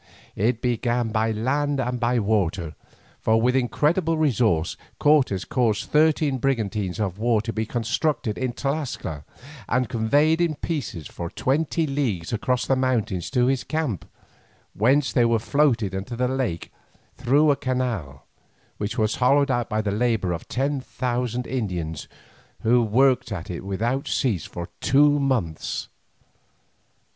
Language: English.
It began by land and by water, for with incredible resource Cortes caused thirteen brigantines of war to be constructed in Tlascala, and conveyed in pieces for twenty leagues across the mountains to his camp, whence they were floated into the lake through a canal, which was hollowed out by the labour of ten thousand Indians, who worked at it without cease for two months.